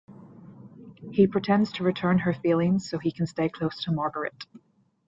He pretends to return her feelings so he can stay close to Margit.